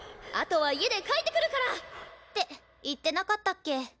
あとは家で書いてくるから！って言ってなかったっけ。